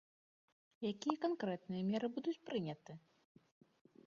Якія канкрэтныя меры будуць прыняты?